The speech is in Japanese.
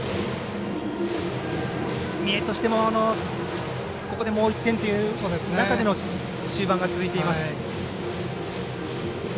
三重としてもここでもう１点という中での終盤が続いています。